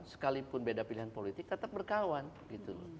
sekalipun beda pilihan politik tetap berkawan gitu loh